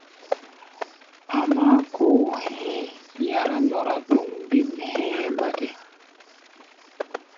Amáá, kóo hɛ̧ɛ̧ yará ndɔra ɗoŋ bêm hɛ̧ɛ̧ bátɛ.